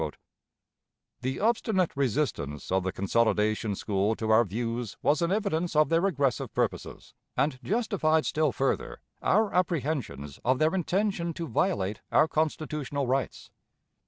The obstinate resistance of the consolidation school to our views was an evidence of their aggressive purposes, and justified still further our apprehensions of their intention to violate our constitutional rights.